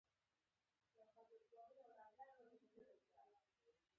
د ننګرهار په کامه کې د مرمرو نښې شته.